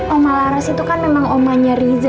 omah laras itu kan memang omahnya riza